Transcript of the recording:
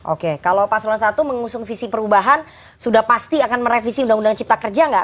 oke kalau pak selon i mengusung visi perubahan sudah pasti akan merevisi undang undang cipta kerja tidak